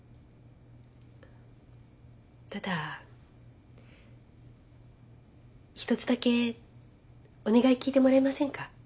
ただ１つだけお願い聞いてもらえませんか？